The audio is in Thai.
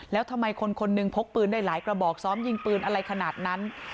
แล้วทำไมคนคนหนึ่งพกปืนได้หลายกระบอกซ้อมยิงปืนอะไรขนาดนั้น